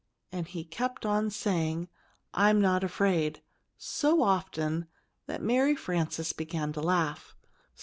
And he kept on saying, "I'm not afraid!" so often that Mary Frances began to laugh.